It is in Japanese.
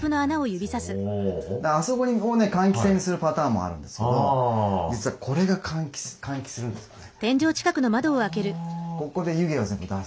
あそこにこうね換気扇にするパターンもあるんですけど実はこれが換気するんですよね。